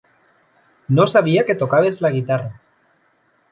No sabia que tocaves la guitarra!